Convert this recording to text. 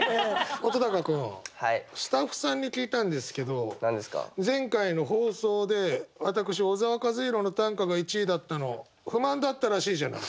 本君スタッフさんに聞いたんですけど前回の放送で私小沢一敬の短歌が１位だったの不満だったらしいじゃない。